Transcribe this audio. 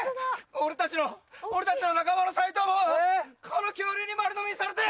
俺たちの俺たちの仲間の斉藤もこの恐竜に丸のみにされて！